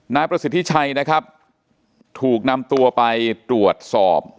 นายประสิทธิชัยนะครับถูกนำตัวไปตรวจสอบ